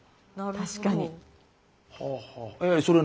確かに。